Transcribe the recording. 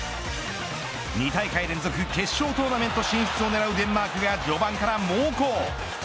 ２大会連続決勝トーナメント進出を狙うデンマークが序盤から猛攻。